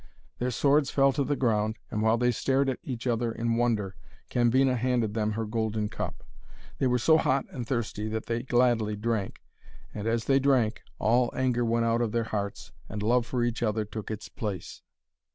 Their swords fell to the ground, and while they stared at each other in wonder, Cambina handed them her golden cup. They were so hot and thirsty that they gladly drank. And, as they drank, all anger went out of their hearts, and love for each other took its place.